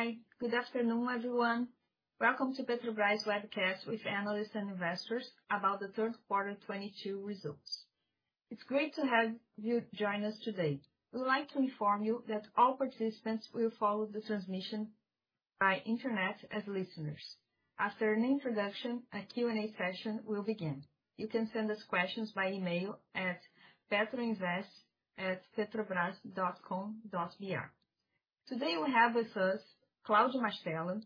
Hi, good afternoon, everyone. Welcome to Petrobras webcast with analysts and investors about the third quarter 2022 results. It's great to have you join us today. We'd like to inform you that all participants will follow the transmission by internet as listeners. After an introduction, a Q&A session will begin. You can send us questions by email at petroinvest@petrobras.com.br. Today, we have with us Claudio Mastella,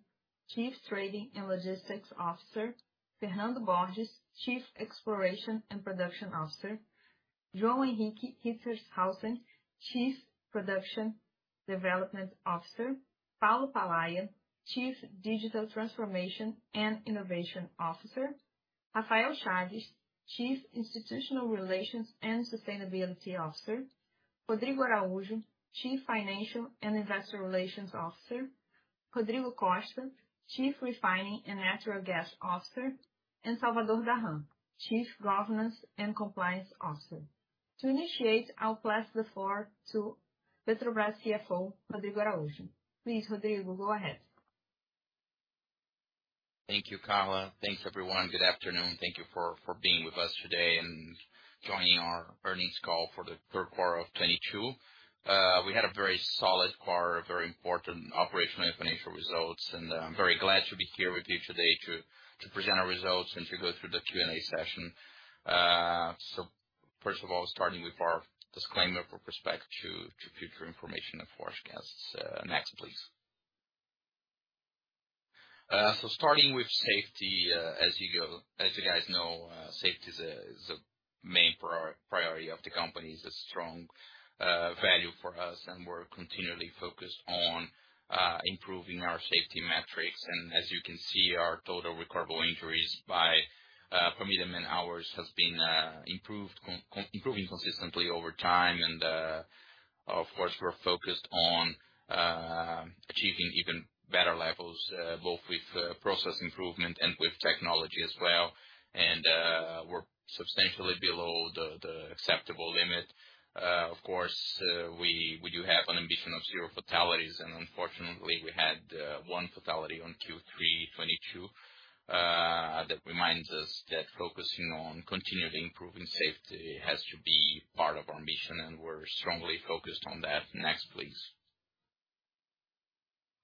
Chief Trading and Logistics Officer, Fernando Borges, Chief Exploration and Production Officer, João Henrique Rittershaussen, Chief Production Development Officer, Paulo Palaia, Chief Digital Transformation and Innovation Officer, Rafael Chaves Santos, Chief Institutional Relations and Sustainability Officer, Rodrigo Araujo, Chief Financial and Investor Relations Officer, Rodrigo Costa, Chief Refining and Natural Gas Officer, and Salvador Dahan, Chief Governance and Compliance Officer. To initiate, I'll pass the floor to Petrobras CFO, Rodrigo Araujo. Please, Rodrigo, go ahead. Thank you, Carla. Thanks, everyone. Good afternoon. Thank you for being with us today and joining our earnings call for the third quarter of 2022. We had a very solid quarter, very important operational and financial results, and I'm very glad to be here with you today to present our results and to go through the Q&A session. First of all, starting with our disclaimer with respect to future information and forecast. Next, please. Starting with safety, as you guys know, safety is a main priority of the company. It's a strong value for us, and we're continually focused on improving our safety metrics. As you can see, our total recordable injuries by per million man-hours has been improving consistently over time. Of course, we're focused on achieving even better levels both with process improvement and with technology as well. We're substantially below the acceptable limit. Of course, we do have an ambition of zero fatalities. Unfortunately, we had one fatality on Q3 2022. That reminds us that focusing on continually improving safety has to be part of our mission, and we're strongly focused on that. Next, please.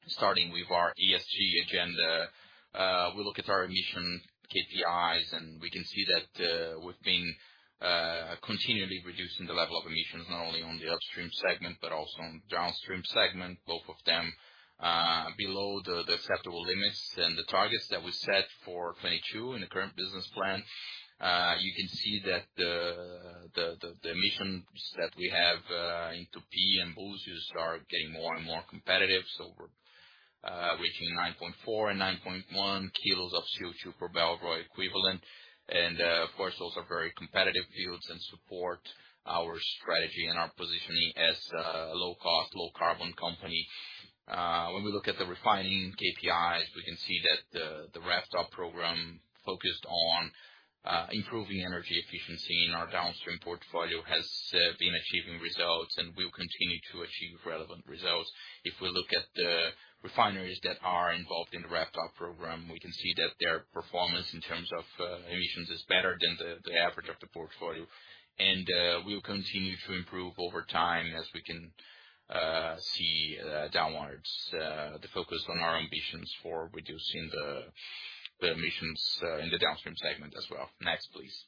Starting with our ESG agenda, we look at our emission KPIs, and we can see that we've been continually reducing the level of emissions, not only on the upstream segment, but also on the downstream segment, both of them below the acceptable limits and the targets that we set for 2022 in the current business plan. You can see that the emissions that we have in Tupi and Búzios are getting more and more competitive. We're reaching 9.4 and 9.1 kilos of CO2 per barrel oil equivalent. Of course, those are very competitive fields and support our strategy and our positioning as a low cost, low carbon company. When we look at the refining KPIs, we can see that the Rev-Up program focused on improving energy efficiency in our downstream portfolio has been achieving results and will continue to achieve relevant results. If we look at the refineries that are involved in the Rev-Up program, we can see that their performance in terms of emissions is better than the average of the portfolio. We will continue to improve over time as we can see downwards the focus on our ambitions for reducing the emissions in the downstream segment as well. Next, please.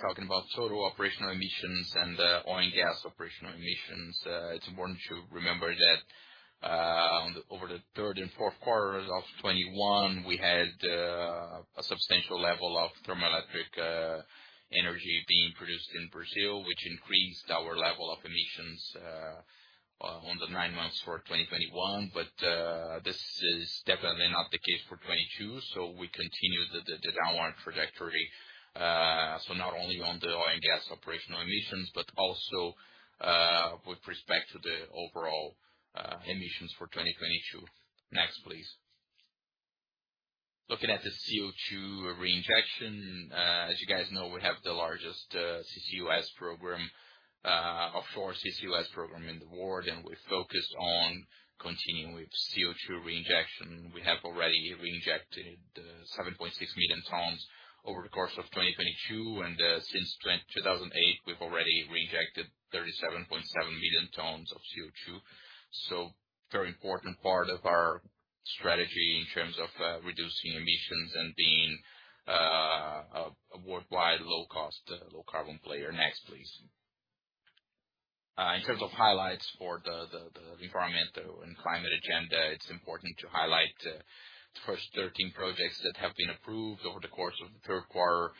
Talking about total operational emissions and oil and gas operational emissions, it's important to remember that over the third and fourth quarters of 2021, we had a substantial level of thermoelectric energy being produced in Brazil, which increased our level of emissions over the nine months for 2021. This is definitely not the case for 2022, we continue the downward trajectory. Not only on the oil and gas operational emissions, but also with respect to the overall emissions for 2022. Next, please. Looking at the CO2 reinjection, as you guys know, we have the largest CCUS program, offshore CCUS program in the world, and we're focused on continuing with CO2 reinjection. We have already reinjected 7.6 million tons over the course of 2022. Since 2008, we've already reinjected 37.7 million tons of CO2. Very important part of our strategy in terms of reducing emissions and being a worldwide low cost, low carbon player. Next, please. In terms of highlights for the environmental and climate agenda, it's important to highlight the first 13 projects that have been approved over the course of the third quarter,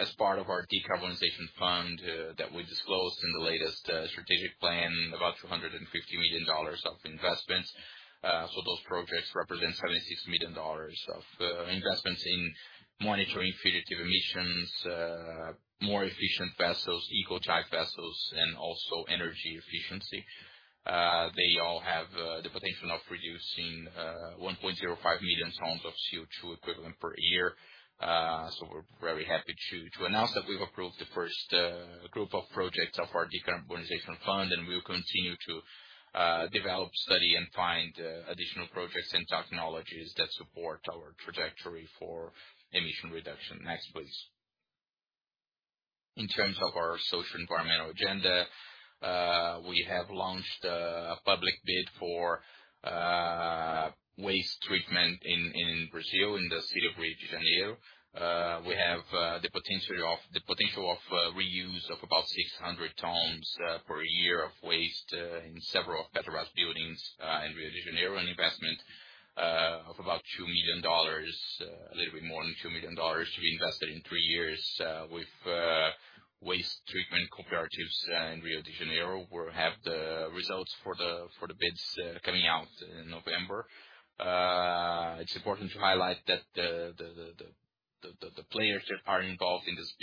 as part of our decarbonization fund, that we disclosed in the latest strategic plan, about $250 million of investments. Those projects represent $76 million of investments in monitoring fugitive emissions, more efficient vessels, eco-type vessels, and also energy efficiency. They all have potential of reducing 1.05 million tons of CO2 equivalent per year. We're very happy to announce that we've approved the first group of projects of our decarbonization fund, and we will continue to develop, study, and find additional projects and technologies that support our trajectory for emission reduction. Next, please. In terms of our socio-environmental agenda, we have launched a public bid for waste treatment in Brazil, in the city of Rio de Janeiro. We have the potential of reuse of about 600 tons per year of waste in several of Petrobras buildings in Rio de Janeiro, an investment of about $2 million, a little bit more than $2 million to be invested in three years, with waste treatment cooperatives in Rio de Janeiro. We'll have the results for the bids coming out in November. It's important to highlight that the players that are involved in this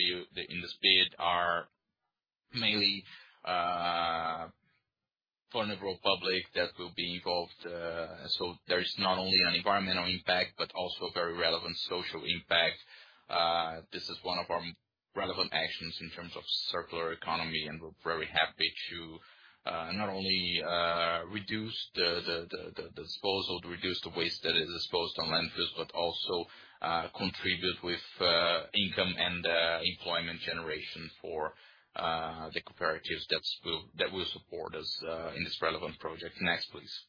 bid are mainly for the rural public that will be involved. There is not only an environmental impact, but also a very relevant social impact. This is one of our relevant actions in terms of circular economy, and we're very happy to not only reduce the disposal to reduce the waste that is disposed in landfills, but also contribute with income and employment generation for the cooperatives that will support us in this relevant project. Next, please.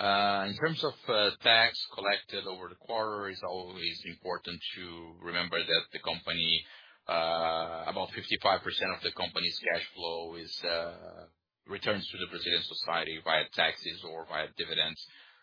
In terms of tax collected over the quarter, it's always important to remember that about 55% of the company's cash flow returns to the Brazilian society via taxes or via dividends.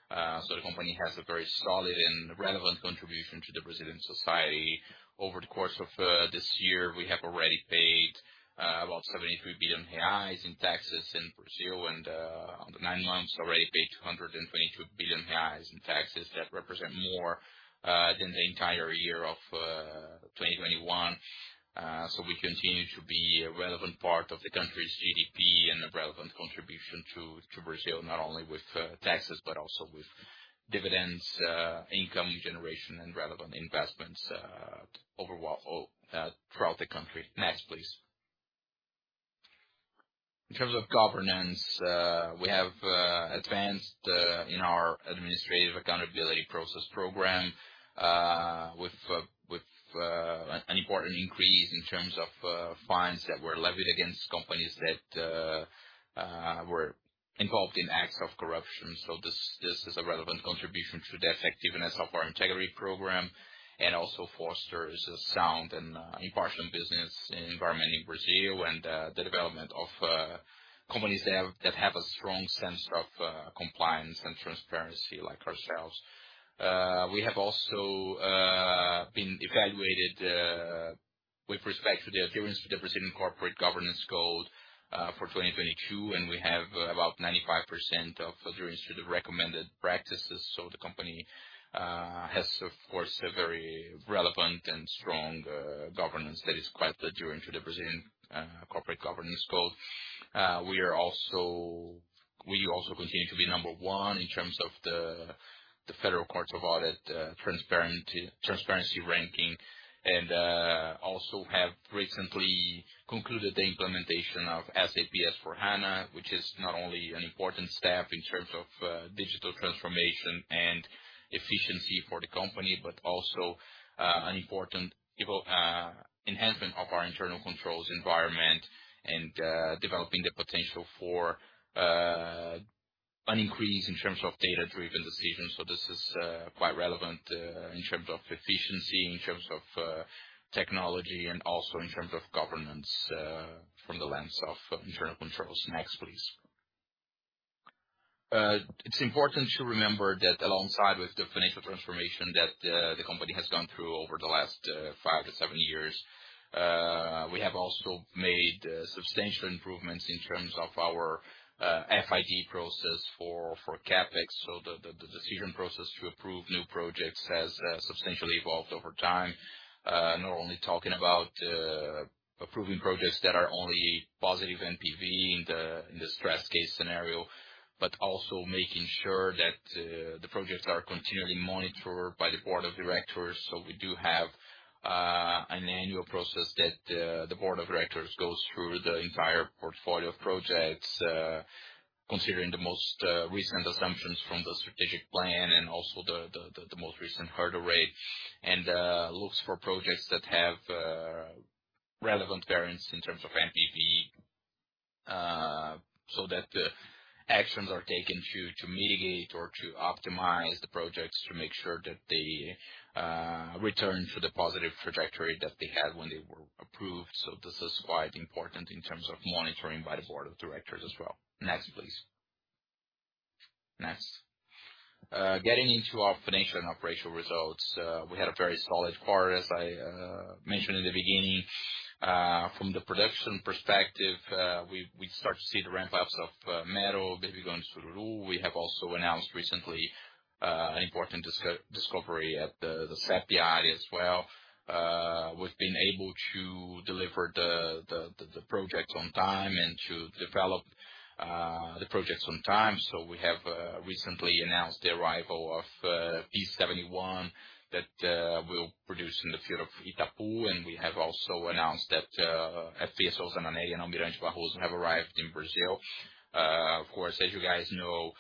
The company has a very solid and relevant contribution to the Brazilian society. Over the course of this year, we have already paid about 73 billion reais in taxes in Brazil and in the nine months already paid 222 billion reais in taxes that represent more than the entire year of 2021. We continue to be a relevant part of the country's GDP and a relevant contribution to Brazil, not only with taxes, but also with dividends, income generation and relevant investments throughout the country. Next, please. In terms of governance, we have advanced in our administrative accountability process program with an important increase in terms of fines that were levied against companies that were involved in acts of corruption. This is a relevant contribution to the effectiveness of our integrity program and also fosters a sound and impartial business environment in Brazil and the development of companies that have a strong sense of compliance and transparency like ourselves. We have also been evaluated with respect to the adherence to the Brazilian Corporate Governance Code for 2022, and we have about 95% of adherence to the recommended practices. The company has, of course, a very relevant and strong governance that is quite adherent to the Brazilian Corporate Governance Code. We also continue to be number one in terms of the Federal Court of Accounts transparency ranking. We have recently concluded the implementation of SAP S/4HANA, which is not only an important step in terms of digital transformation and efficiency for the company, but also an important enhancement of our internal controls environment and developing the potential for an increase in terms of data-driven decisions. This is quite relevant in terms of efficiency, in terms of technology, and also in terms of governance from the lens of internal controls. Next, please. It's important to remember that along with the financial transformation that the company has gone through over the last 5-7 years, we have also made substantial improvements in terms of our FID process for CapEx. The decision process to approve new projects has substantially evolved over time. Not only talking about approving projects that are only positive NPV in the stress case scenario, but also making sure that the projects are continually monitored by the board of directors. We do have an annual process that the board of directors goes through the entire portfolio of projects considering the most recent assumptions from the strategic plan and also the most recent hurdle rate, and looks for projects that have relevant variance in terms of NPV so that actions are taken to mitigate or to optimize the projects to make sure that they return to the positive trajectory that they had when they were approved. This is quite important in terms of monitoring by the board of directors as well. Next, please. Next. Getting into our financial and operational results, we had a very solid quarter, as I mentioned in the beginning. From the production perspective, we start to see the ramp-ups of Mero, Búzios, Itapu, Sururu. We have also announced recently an important discovery at the Sépia area as well. We've been able to deliver the projects on time and to develop the projects on time. We have recently announced the arrival of P-71 that will produce in the field of Itapu, and we have also announced that FPSOs Anita Garibaldi and Almirante Barroso have arrived in Brazil. Of course, as you guys know,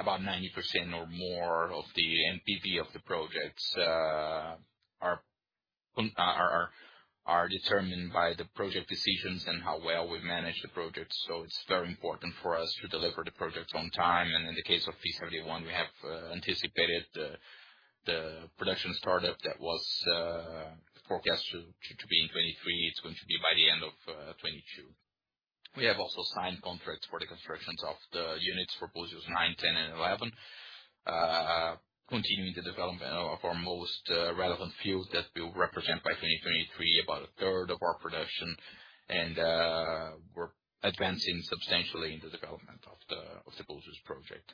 about 90% or more of the NPV of the projects are determined by the project decisions and how well we manage the projects. It's very important for us to deliver the projects on time. In the case of P-71, we have anticipated the production startup that was forecast to be in 2023. It's going to be by the end of 2022. We have also signed contracts for the constructions of the units for Búzios 9, 10, and 11. Continuing the development of our most relevant fields that will represent by 2023 about a third of our production. We're advancing substantially in the development of the Búzios project.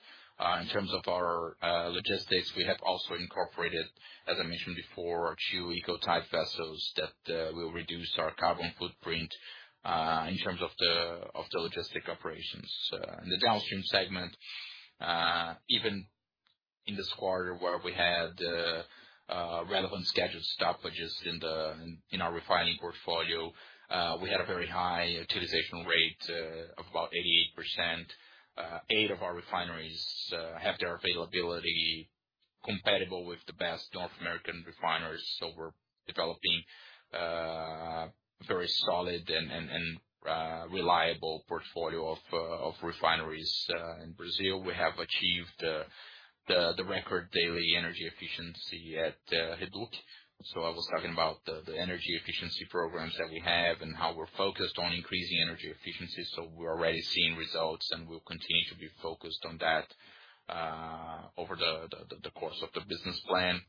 In terms of our logistics, we have also incorporated, as I mentioned before, two eco-type vessels that will reduce our carbon footprint in terms of the logistics operations. In the downstream segment, even in this quarter where we had relevant scheduled stoppages in our refining portfolio, we had a very high utilization rate of about 88%. Eight of our refineries have their availability compatible with the best North American refiners. We're developing a very solid and reliable portfolio of refineries in Brazil. We have achieved the record daily energy efficiency at REDUC. I was talking about the energy efficiency programs that we have and how we're focused on increasing energy efficiency. We're already seeing results, and we'll continue to be focused on that over the course of the business plan.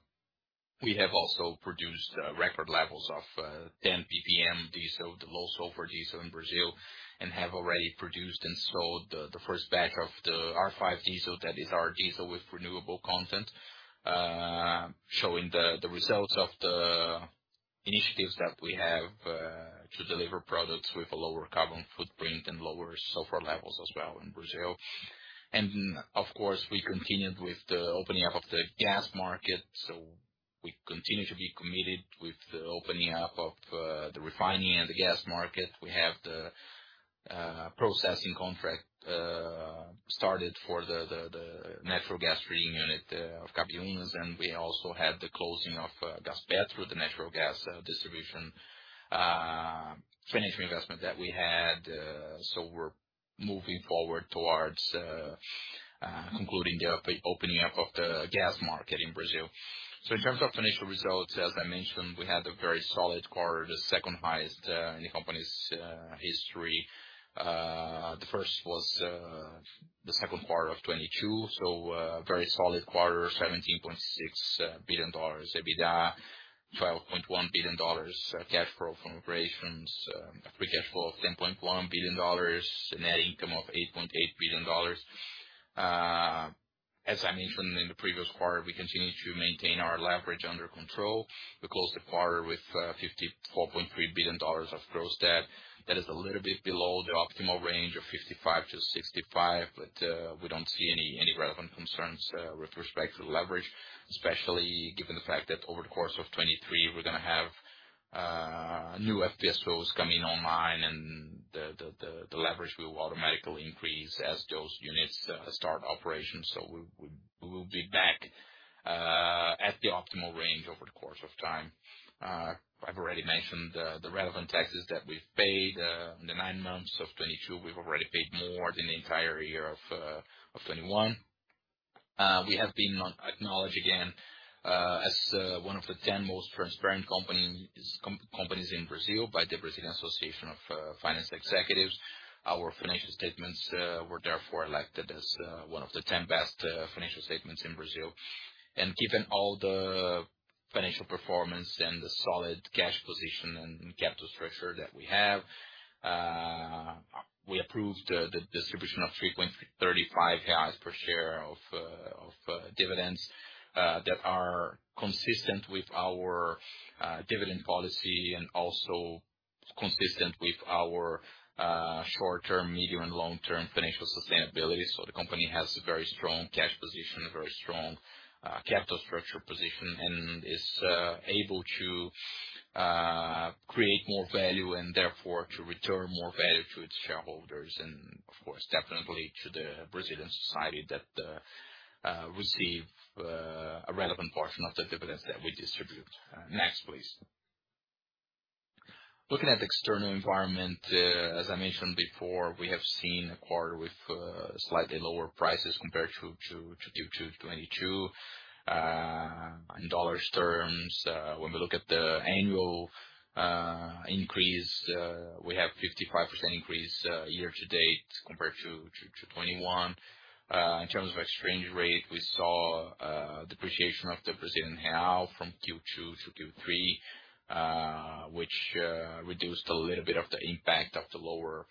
We have also produced record levels of 10 ppm diesel, the low sulfur diesel in Brazil, and have already produced and sold the first batch of the R5 diesel. That is our diesel with renewable content, showing the results of the initiatives that we have to deliver products with a lower carbon footprint and lower sulfur levels as well in Brazil. Of course, we continued with the opening up of the gas market, so we continue to be committed with the opening up of the refining and the gas market. We have the processing contract started for the natural gas unit at Cabiúnas, and we also had the closing of Gaspetro, the natural gas distribution financial investment that we had. We're moving forward toward concluding the opening up of the gas market in Brazil. In terms of financial results, as I mentioned, we had a very solid quarter, the second highest in the company's history. The first was the second quarter of 2022, a very solid quarter, $17.6 billion EBITDA, $12.1 billion cash flow from operations, a free cash flow of $10.1 billion, a net income of $8.8 billion. As I mentioned in the previous quarter, we continue to maintain our leverage under control. We closed the quarter with $54.3 billion of gross debt. That is a little bit below the optimal range of 55-65, but we don't see any relevant concerns with respect to leverage, especially given the fact that over the course of 2023, we're gonna have new FPSOs coming online, and the leverage will automatically increase as those units start operations. We will be back at the optimal range over the course of time. I've already mentioned the relevant taxes that we've paid in the nine months of 2022. We've already paid more than the entire year of 2021. We have been acknowledged again as one of the 10 most transparent companies in Brazil by the Brazilian Association of Finance Executives. Our financial statements were therefore elected as one of the 10 best financial statements in Brazil. Given all the financial performance and the solid cash position and capital structure that we have, we approved the distribution of 3.35 reais per share of dividends that are consistent with our dividend policy and also consistent with our short-term, medium, and long-term financial sustainability. The company has a very strong cash position, a very strong capital structure position, and is able to create more value and therefore to return more value to its shareholders and of course, definitely to the Brazilian society that receive a relevant portion of the dividends that we distribute. Next, please. Looking at external environment, as I mentioned before, we have seen a quarter with slightly lower prices compared to 2022. In dollars terms, when we look at the annual increase, we have 55% increase year to date compared to 2021. In terms of exchange rate, we saw depreciation of the Brazilian real from Q2 to Q3, which reduced a little bit of the impact of the lower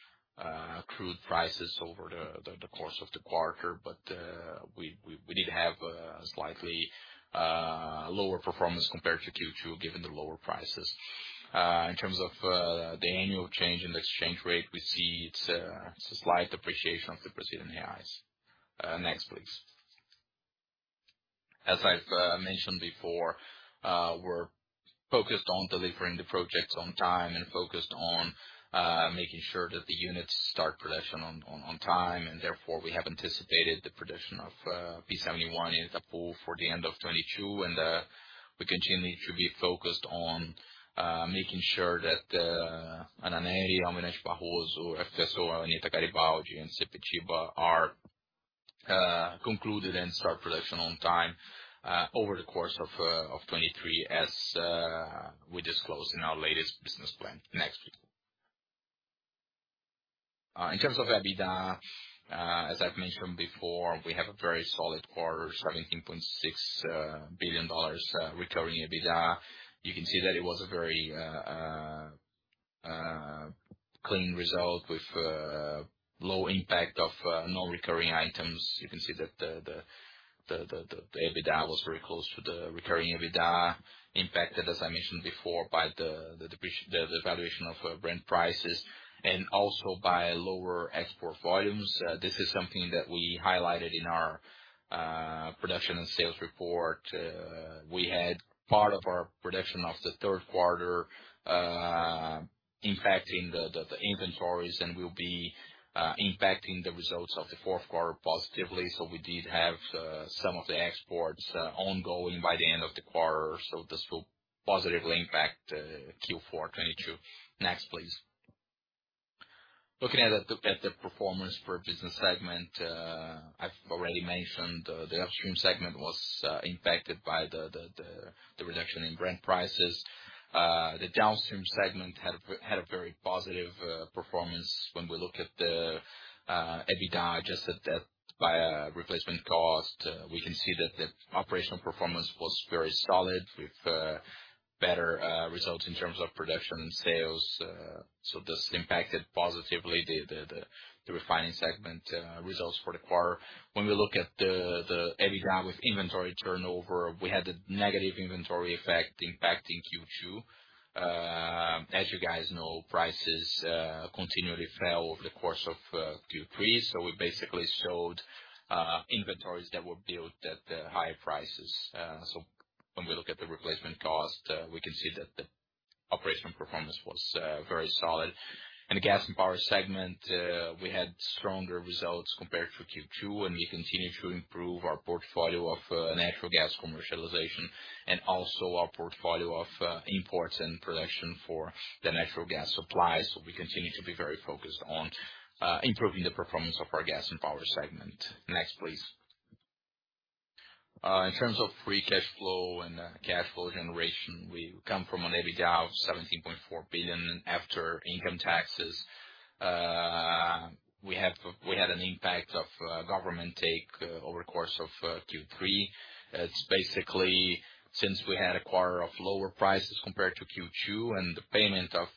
crude prices over the course of the quarter. We did have a slightly lower performance compared to Q2, given the lower prices. In terms of the annual change in exchange rate, we see it's a slight appreciation of the Brazilian reais. Next, please. As I've mentioned before, we're focused on delivering the projects on time and focused on making sure that the units start production on time. Therefore, we have anticipated the production of P-71 in Itapu for the end of 2022. We continue to be focused on making sure that Anna Nery, Almirante Barroso, or FSO or Anita Garibaldi and Sepetiba are concluded and start production on time over the course of 2023, as we disclosed in our latest business plan. Next, please. In terms of EBITDA, as I've mentioned before, we have a very solid quarter, $17.6 billion recurring EBITDA. You can see that it was a very clean result with low impact of non-recurring items. You can see that the EBITDA was very close to the recurring EBITDA impacted, as I mentioned before, by the valuation of Brent prices and also by lower export volumes. This is something that we highlighted in our production and sales report. We had part of our production of the third quarter impacting the inventories and will be impacting the results of the fourth quarter positively. We did have some of the exports ongoing by the end of the quarter, so this will positively impact Q4 2022. Next, please. Looking at the performance per business segment, I've already mentioned the upstream segment was impacted by the reduction in Brent prices. The downstream segment had a very positive performance when we look at the EBITDA adjusted by replacement cost. We can see that the operational performance was very solid with better results in terms of production and sales. This impacted positively the refining segment results for the quarter. When we look at the EBITDA with inventory turnover, we had a negative inventory effect impacting Q2. As you guys know, prices continually fell over the course of Q3, so we basically showed inventories that were built at higher prices. When we look at the replacement cost, we can see that the operational performance was very solid. In the gas and power segment, we had stronger results compared to Q2, and we continue to improve our portfolio of natural gas commercialization and also our portfolio of imports and production for the natural gas supply. We continue to be very focused on improving the performance of our gas and power segment. Next, please. In terms of free cash flow and cash flow generation, we come from an EBITDA of 17.4 billion after income taxes. We had an impact of government take over the course of Q3. It's basically since we had a quarter of lower prices compared to Q2, and the payment of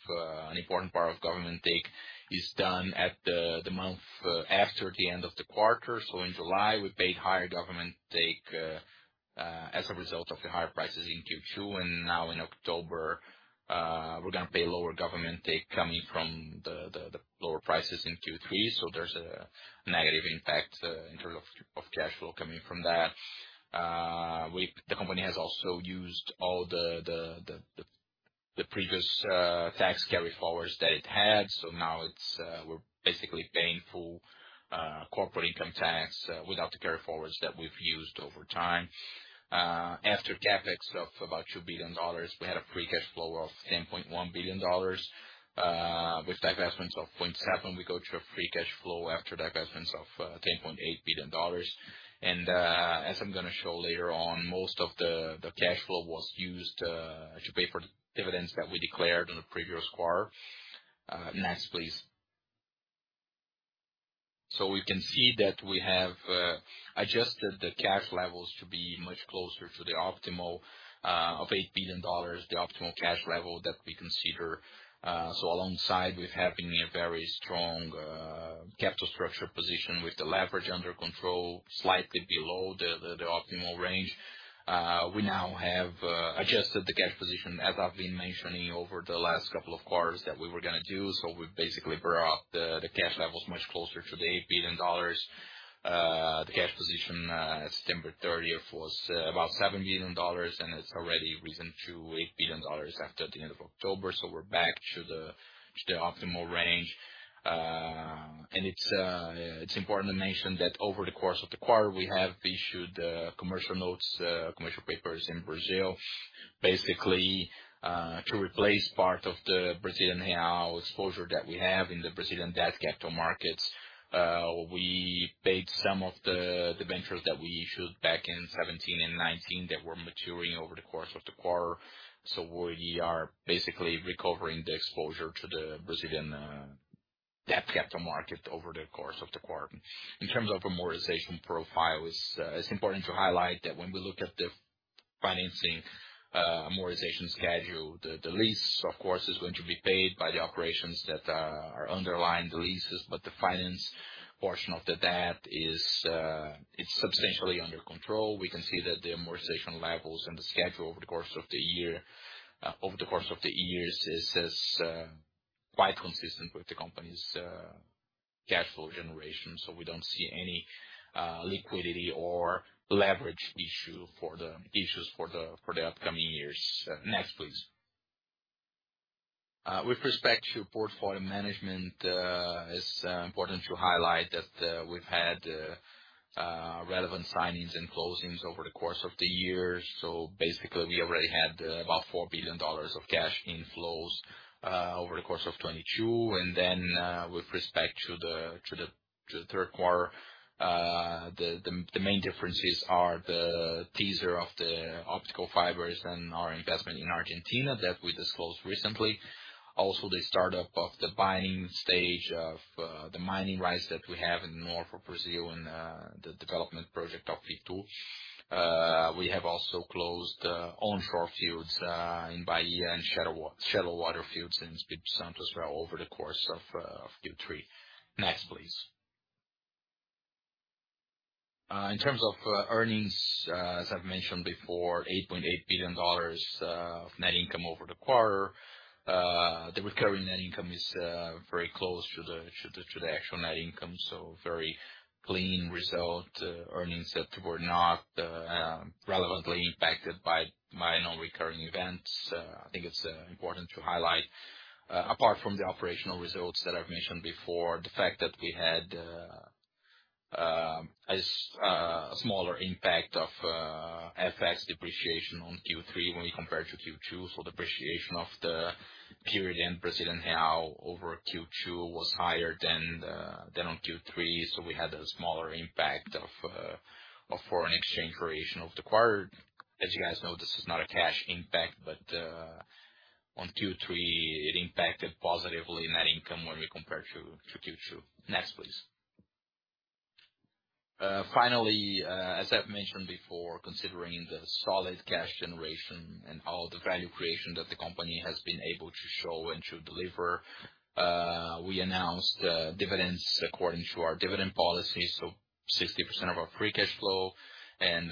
an important part of government take is done at the month after the end of the quarter. In July, we paid higher government take as a result of the higher prices in Q2. Now in October, we're gonna pay lower government take coming from the lower prices in Q3. There's a negative impact in terms of cash flow coming from that. The company has also used all the previous tax carryforwards that it had. Now we're basically paying full corporate income tax without the carryforwards that we've used over time. After CapEx of about $2 billion, we had a free cash flow of $10.1 billion. With divestments of $0.7 billion, we go to a free cash flow after divestments of $10.8 billion. as I'm gonna show later on, most of the cash flow was used to pay for the dividends that we declared on the previous quarter. Next, please. We can see that we have adjusted the cash levels to be much closer to the optimal of $8 billion, the optimal cash level that we consider. Alongside with having a very strong capital structure position with the leverage under control, slightly below the optimal range, we now have adjusted the cash position, as I've been mentioning over the last couple of quarters that we were gonna do. We basically brought the cash levels much closer to the $8 billion. The cash position as of September 30 was about $7 billion, and it's already risen to $8 billion after the end of October. We're back to the optimal range. It's important to mention that over the course of the quarter, we have issued commercial notes, commercial papers in Brazil, basically, to replace part of the Brazilian real exposure that we have in the Brazilian debt capital markets. We paid some of the debentures that we issued back in 2017 and 2019 that were maturing over the course of the quarter. We are basically recovering the exposure to the Brazilian debt capital market over the course of the quarter. In terms of amortization profile is important to highlight that when we look at the financing, amortization schedule, the lease of course is going to be paid by the operations that are underlying the leases, but the finance portion of the debt is, it's substantially under control. We can see that the amortization levels and the schedule over the course of the year, over the course of the years is quite consistent with the company's cash flow generation. We don't see any liquidity or leverage issues for the upcoming years. Next, please. With respect to portfolio management, it's important to highlight that we've had relevant signings and closings over the course of the year. Basically we already had about $4 billion of cash inflows over the course of 2022. With respect to the third quarter, the main differences are the teaser of the optical fibers and our investment in Argentina that we disclosed recently. Also the startup of the binding stage of the mining rights that we have in the north of Brazil and the development project of Pitú. We have also closed onshore fields in Bahia and shallow water fields in Espírito Santo as well over the course of Q3. Next, please. In terms of earnings, as I've mentioned before, $8.8 billion of net income over the quarter. The recurring net income is very close to the actual net income, so very clean result, earnings that were not materially impacted by minor recurring events. I think it's important to highlight, apart from the operational results that I've mentioned before, the fact that we had a smaller impact of FX depreciation on Q3 when we compare to Q2. Depreciation of the period in Brazilian Real over Q2 was higher than on Q3, so we had a smaller impact of foreign exchange variation of the quarter. As you guys know, this is not a cash impact, but on Q3 it impacted positively net income when we compare to Q2. Next, please. Finally, as I've mentioned before, considering the solid cash generation and all the value creation that the company has been able to show and to deliver, we announced dividends according to our dividend policy, 60% of our free cash flow and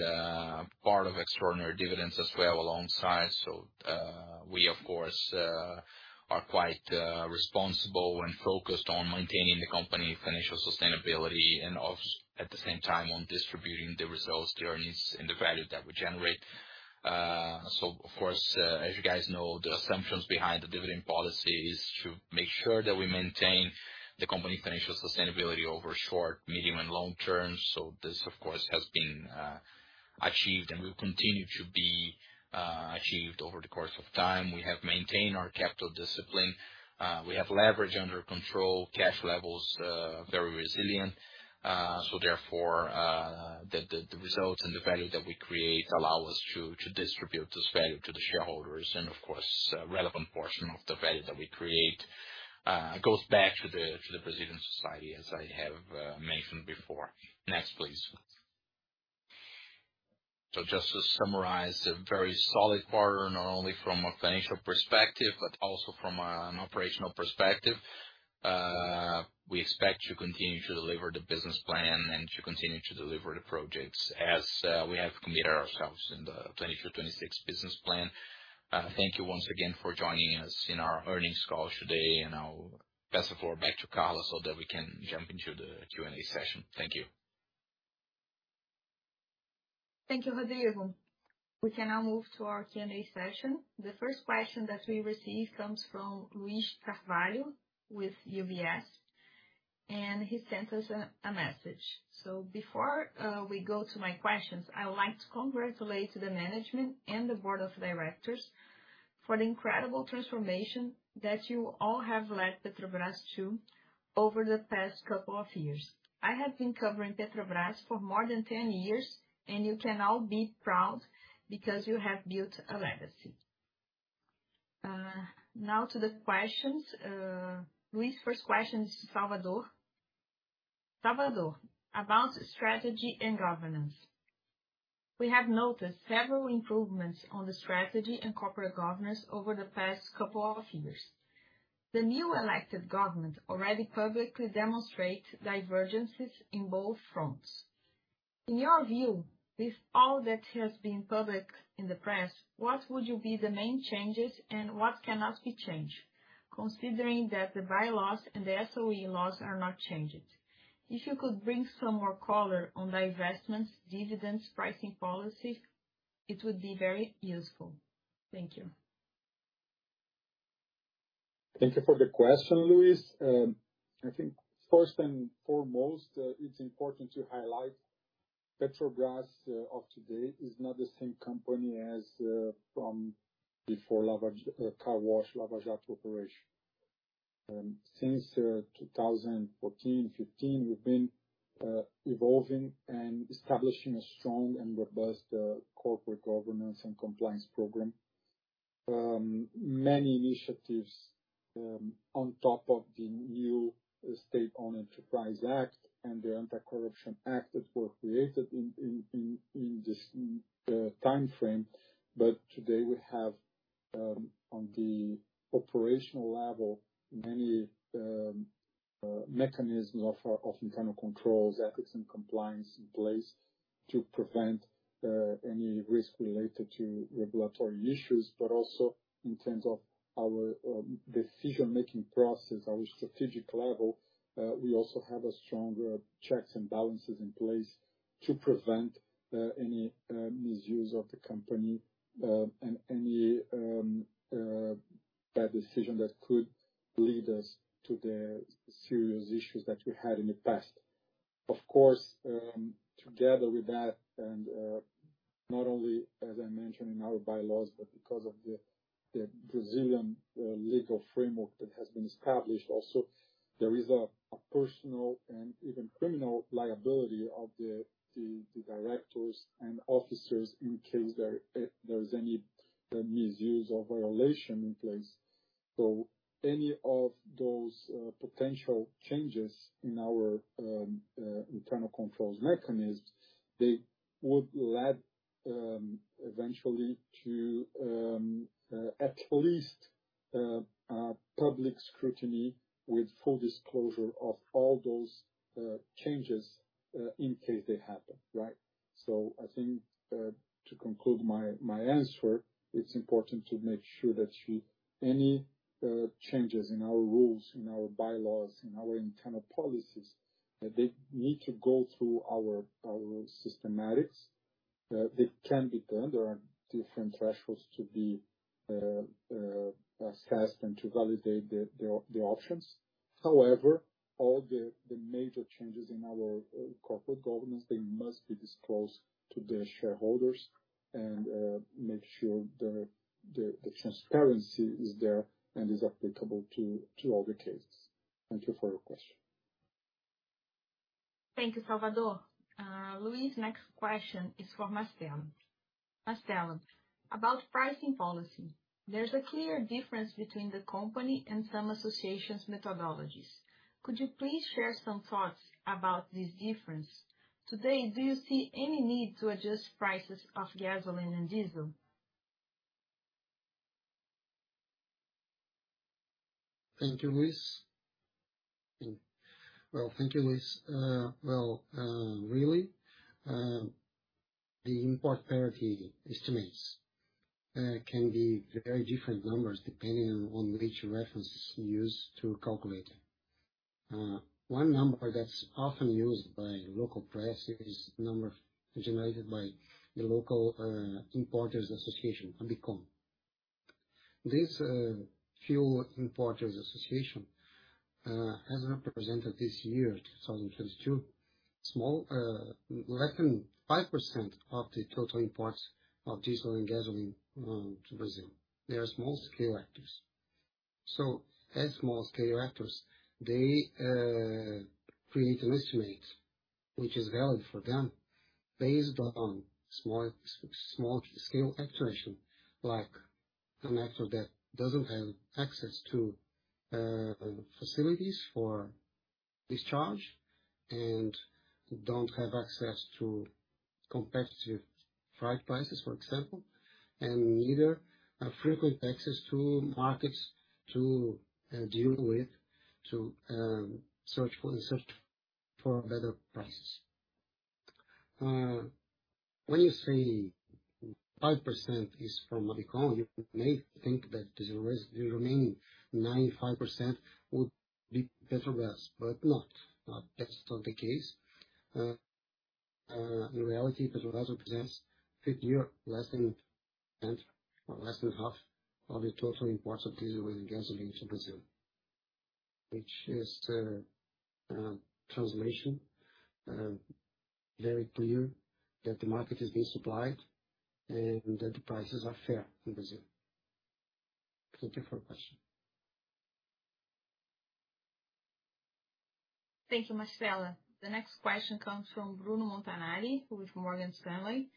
part of extraordinary dividends as well alongside. We of course are quite responsible and focused on maintaining the company financial sustainability and at the same time on distributing the results, the earnings, and the value that we generate. Of course, as you guys know, the assumptions behind the dividend policy is to make sure that we maintain the company's financial sustainability over short, medium, and long term. This of course has been achieved and will continue to be achieved over the course of time. We have maintained our capital discipline. We have leverage under control, cash levels very resilient. Therefore, the results and the value that we create allow us to distribute this value to the shareholders and of course a relevant portion of the value that we create goes back to the Brazilian society as I have mentioned before. Next, please. Just to summarize, a very solid quarter, not only from a financial perspective but also from an operational perspective. We expect to continue to deliver the business plan and to continue to deliver the projects as we have committed ourselves in the 2022-2026 business plan. Thank you once again for joining us in our earnings call today, and I'll pass the floor back to Carla so that we can jump into the Q&A session. Thank you. Thank you, Rodrigo. We can now move to our Q&A session. The first question that we received comes from Luiz Carvalho with UBS, and he sent us a message. "Before we go to my questions, I would like to congratulate the management and the board of directors for the incredible transformation that you all have led Petrobras to over the past couple of years. I have been covering Petrobras for more than 10 years, and you can all be proud because you have built a legacy." Now to the questions. Luiz's first question is to Salvador. "Salvador, about strategy and governance. We have noticed several improvements on the strategy and corporate governance over the past couple of years. The new elected government already publicly demonstrate divergences in both fronts. In your view, with all that has been published in the press, what would be the main changes and what cannot be changed, considering that the bylaws and the SOE laws are not changed? If you could bring some more color on the investments, dividends, pricing policy, it would be very useful. Thank you. Thank you for the question, Luiz. I think first and foremost, it's important to highlight Petrobras of today is not the same company as from before Car Wash, Lava Jato operation. Since 2014, 2015, we've been evolving and establishing a strong and robust corporate governance and compliance program. Many initiatives on top of the new State-Owned Enterprise Law and the Anti-Corruption Act that were created in this timeframe. Today we have, on the operational level, many mechanisms of internal controls, ethics and compliance in place to prevent any risk related to regulatory issues, but also in terms of our decision-making process, our strategic level, we also have a stronger checks and balances in place to prevent any misuse of the company and any bad decision that could lead us to the serious issues that we had in the past. Of course, together with that and, not only as I mentioned in our bylaws, but because of the Brazilian legal framework that has been established also, there is a personal and even criminal liability of the directors and officers in case there's any misuse or violation in place. Any of those potential changes in our internal controls mechanisms, they would lead eventually to at least public scrutiny with full disclosure of all those changes in case they happen, right? I think to conclude my answer, it's important to make sure any changes in our rules, in our bylaws, in our internal policies, that they need to go through our systematics. They can be done. There are different thresholds to be assessed and to validate the options. However, all the major changes in our corporate governance, they must be disclosed to the shareholders and make sure the transparency is there and is applicable to all the cases. Thank you for your question. Thank you, Salvador. Luiz, next question is for Claudio Mastella. Claudio Mastella, about pricing policy, there's a clear difference between the company and some associations' methodologies. Could you please share some thoughts about this difference? Today, do you see any need to adjust prices of gasoline and diesel? Thank you, Luiz. Well, really, the import parity estimates can be very different numbers depending on which references you use to calculate it. One number that's often used by local press is number generated by the local importers association, Abicom. This fuel importers association has represented this year, 2022, small, less than 5% of the total imports of diesel and gasoline to Brazil. They are small-scale actors. As small-scale actors, they create an estimate which is valid for them based on small-scale actuation like an actor that doesn't have access to facilities for discharge and don't have access to competitive freight prices, for example, and neither a frequent access to markets to deal with, to search for better prices. When you say 5% is from Abicom, you may think that the remaining 95% would be Petrobras, but no. That's not the case. In reality, Petrobras represents 50% or less than 10% or less than half of the total imports of diesel and gasoline to Brazil, which is very clear that the market is being supplied and that the prices are fair in Brazil. Thank you for your question. Thank you, Mastella. The next question comes from Bruno Montanari with Morgan Stanley,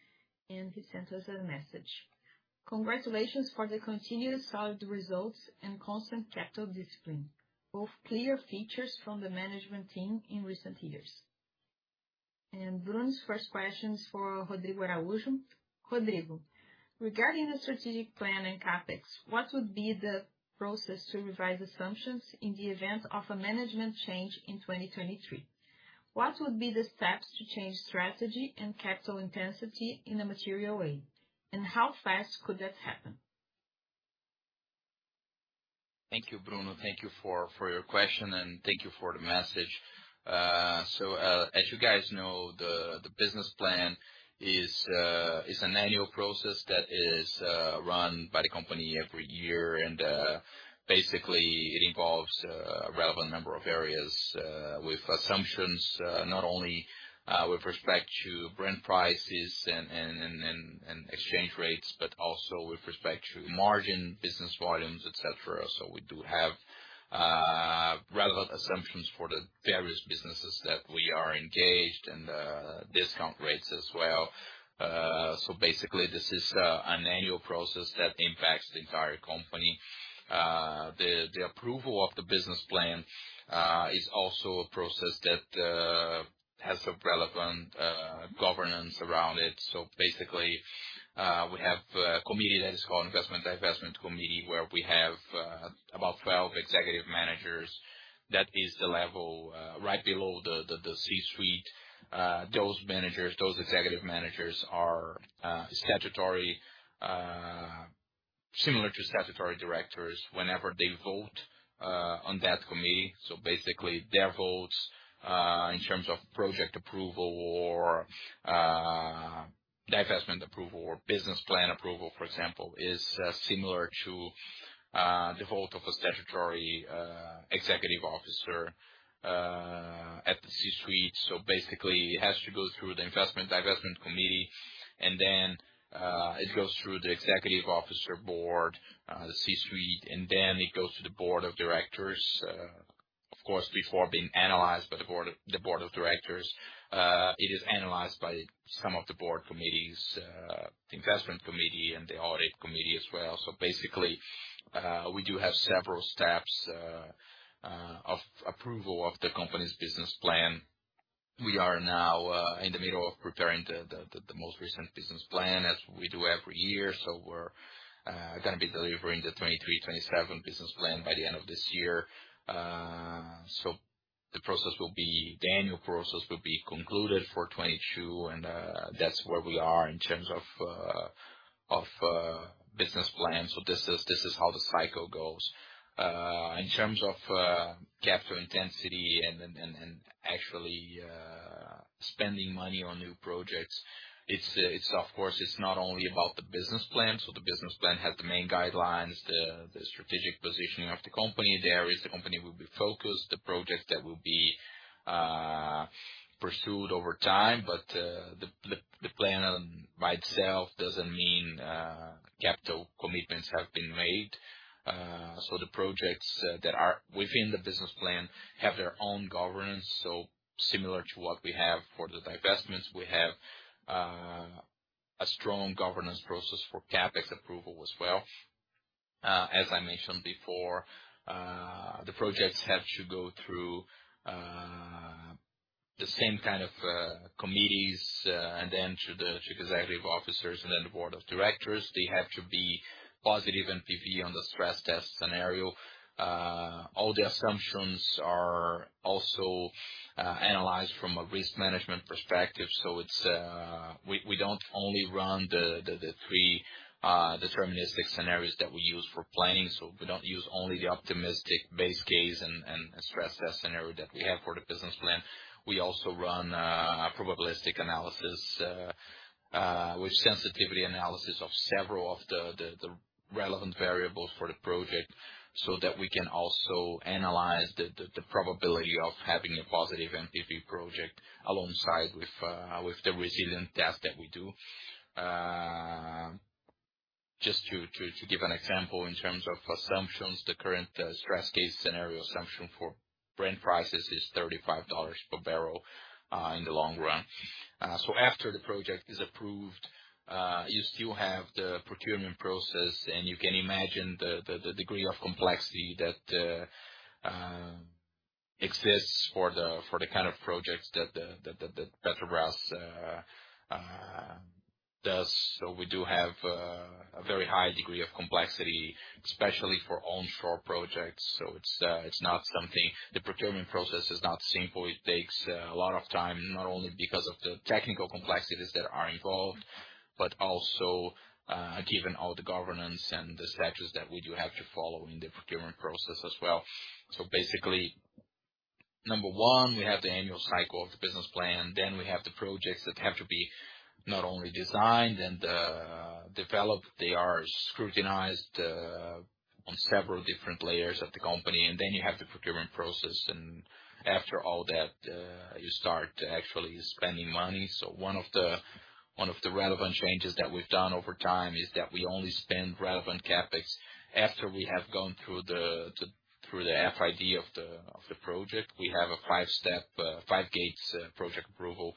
and he sent us a message. Congratulations for the continuous solid results and constant capital discipline, both clear features from the management team in recent years. Bruno's first question is for Rodrigo Araujo. Rodrigo, regarding the strategic plan and CapEx, what would be the process to revise assumptions in the event of a management change in 2023? What would be the steps to change strategy and capital intensity in a material way, and how fast could that happen? Thank you, Bruno. Thank you for your question, and thank you for the message. As you guys know, the business plan is an annual process that is run by the company every year. Basically it involves a relevant number of areas with assumptions not only with respect to Brent prices and exchange rates, but also with respect to margin, business volumes, et cetera. We do have relevant assumptions for the various businesses that we are engaged, and discount rates as well. Basically this is an annual process that impacts the entire company. The approval of the business plan is also a process that has a relevant governance around it. Basically, we have a committee that is called Investment Divestment Committee, where we have about 12 executive managers. That is the level right below the C-suite. Those managers, those executive managers are statutory, similar to statutory directors whenever they vote on that committee. Basically their votes in terms of project approval or divestment approval or business plan approval, for example, is similar to the vote of a statutory executive officer at the C-suite. Basically it has to go through the Investment Divestment Committee and then it goes through the executive officer board, the C-suite, and then it goes to the board of directors. Of course, before being analyzed by the board, the board of directors, it is analyzed by some of the board committees, the investment committee and the audit committee as well. Basically, we do have several steps of approval of the company's business plan. We are now in the middle of preparing the most recent business plan as we do every year. We're gonna be delivering the 2023-2027 business plan by the end of this year. The process will be. The annual process will be concluded for 2022, and that's where we are in terms of business plans. This is how the cycle goes. In terms of capital intensity and actually spending money on new projects, it's of course not only about the business plan. The business plan has the main guidelines, the strategic positioning of the company. There, the company will be focused, the projects that will be pursued over time. The plan by itself doesn't mean capital commitments have been made. The projects that are within the business plan have their own governance. Similar to what we have for the divestments, we have a strong governance process for CapEx approval as well. As I mentioned before, the projects have to go through the same kind of committees and then to the chief executive officers and then the board of directors. They have to be positive NPV on the stress test scenario. All the assumptions are also analyzed from a risk management perspective. We don't only run the three deterministic scenarios that we use for planning. We don't use only the optimistic base case and stress test scenario that we have for the business plan. We also run a probabilistic analysis with sensitivity analysis of several of the relevant variables for the project, so that we can also analyze the probability of having a positive NPV project alongside with the resilience test that we do. Just to give an example in terms of assumptions, the current stress case scenario assumption for Brent prices is $35 per barrel in the long run. After the project is approved, you still have the procurement process, and you can imagine the degree of complexity that exists for the kind of projects that Petrobras does. We do have a very high degree of complexity, especially for onshore projects. It's not something. The procurement process is not simple. It takes a lot of time, not only because of the technical complexities that are involved, but also, given all the governance and the statutes that we do have to follow in the procurement process as well. Basically, number one, we have the annual cycle of the business plan, then we have the projects that have to be not only designed and developed, they are scrutinized on several different layers of the company. Then you have the procurement process. After all that, you start actually spending money. One of the relevant changes that we've done over time is that we only spend relevant CapEx after we have gone through the FID of the project. We have a five-step, five gates project approval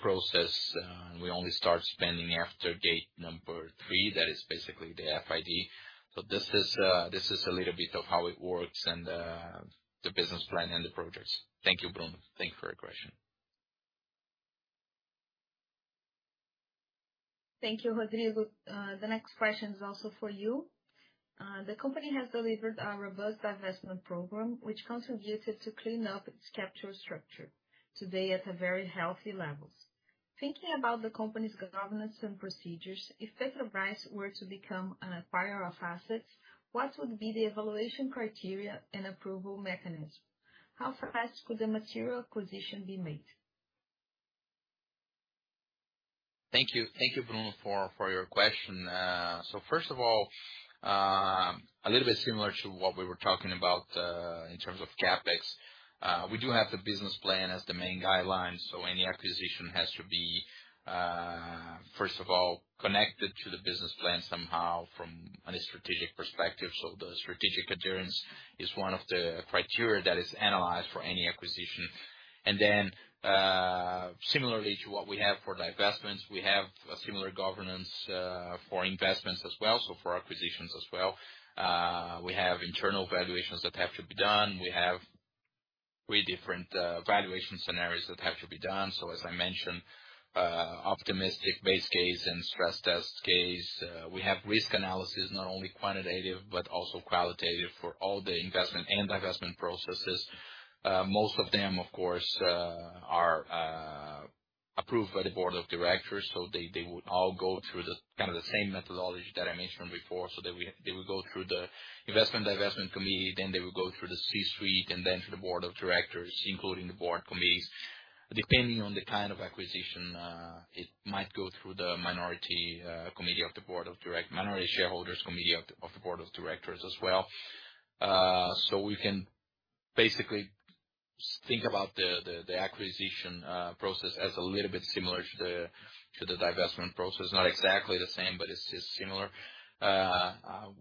process. We only start spending after gate number three. That is basically the FID. This is a little bit of how it works and the business plan and the projects. Thank you, Bruno. Thank you for your question. Thank you, Rodrigo. The next question is also for you. The company has delivered a robust divestment program, which contributed to clean up its capital structure today at a very healthy levels. Thinking about the company's governance and procedures, if Petrobras were to become an acquirer of assets, what would be the evaluation criteria and approval mechanism? How fast could the material acquisition be made? Thank you, Bruno, for your question. First of all, a little bit similar to what we were talking about, in terms of CapEx, we do have the business plan as the main guideline, so any acquisition has to be, first of all connected to the business plan somehow from a strategic perspective. The strategic adherence is one of the criteria that is analyzed for any acquisition. Then, similarly to what we have for divestments, we have a similar governance, for investments as well, so for acquisitions as well. We have internal valuations that have to be done. We have three different, valuation scenarios that have to be done. As I mentioned, optimistic base case and stress test case. We have risk analysis, not only quantitative but also qualitative for all the investment and divestment processes. Most of them, of course, are approved by the board of directors. They would all go through kind of the same methodology that I mentioned before. They will go through the Investment Divestment Committee, then they will go through the C-suite and then to the board of directors, including the board committees. Depending on the kind of acquisition, it might go through the minority shareholders committee of the board of directors as well. We can basically think about the acquisition process as a little bit similar to the divestment process. Not exactly the same, but it's similar.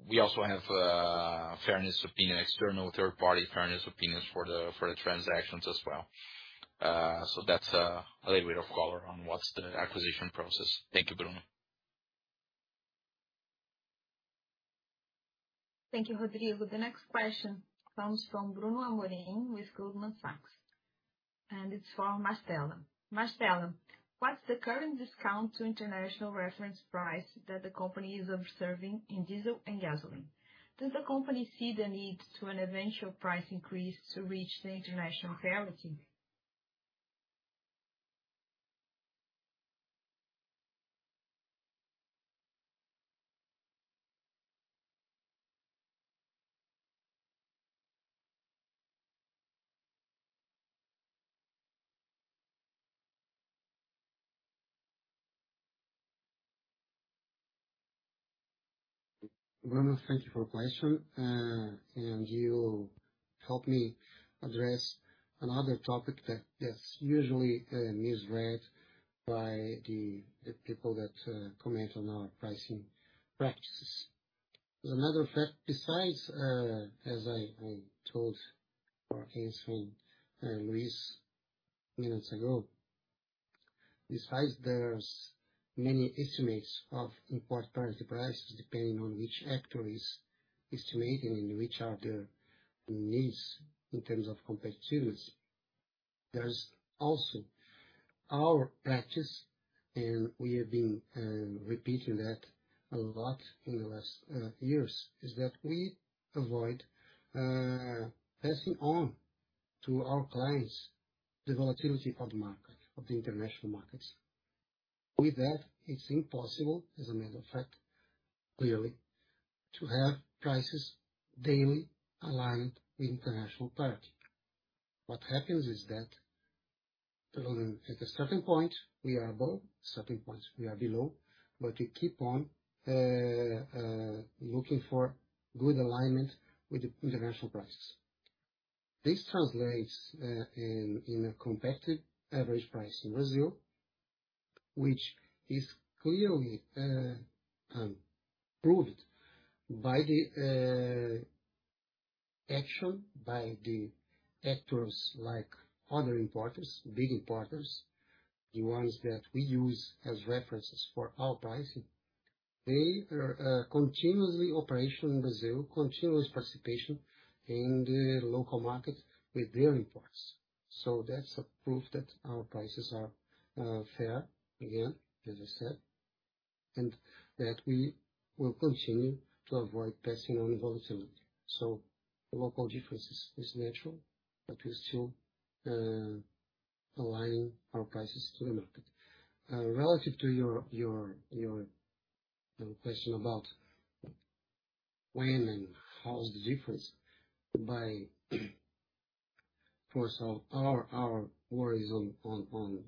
We also have fairness opinion, external third-party fairness opinions for the transactions as well. That's a little bit of color on what's the acquisition process. Thank you, Bruno. Thank you, Rodrigo. The next question comes from Bruno Amorim with Goldman Sachs, and it's for Mastella. Mastella, what's the current discount to international reference price that the company is observing in diesel and gasoline? Does the company see the need for an eventual price increase to reach the international parity? Bruno, thank you for your question. You help me address another topic that that's usually misread by the people that comment on our pricing practices. There's another fact besides as I told you a few minutes ago. Besides, there's many estimates of import price, the prices, depending on which actor is estimating and which are the needs in terms of competitiveness. There's also our practice, and we have been repeating that a lot in the last years, is that we avoid passing on to our clients the volatility of the market, of the international markets. With that, it's impossible, as a matter of fact, clearly, to have prices daily aligned with international parity. What happens is that, at a certain point we are above, certain points we are below, but we keep on looking for good alignment with the international prices. This translates in a competitive average price in Brazil, which is clearly proved by the actions by the actors like other importers, big importers, the ones that we use as references for our pricing. They are continuously operational in Brazil, continuous participation in the local market with their imports. That's a proof that our prices are fair, again, as I said, and that we will continue to avoid passing on the volatility. The local differences is natural, but we're still aligning our prices to the market. Relative to your question about when and how's the difference borne by us. Our worry is on